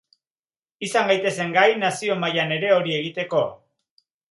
Izan gaitezen gai nazio mailan ere hori egiteko.